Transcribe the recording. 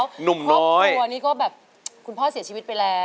ครอบครัวนี้ก็แบบคุณพ่อเสียชีวิตไปแล้ว